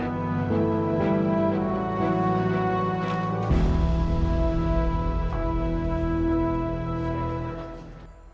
selamat malam abah